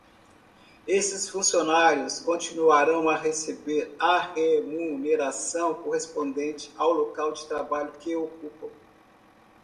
Esses funcionários continuarão a receber a remuneração correspondente ao local de trabalho que ocupam.